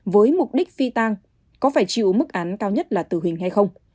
với mục đích phi tang có phải chịu mức án cao nhất là tử hình hay không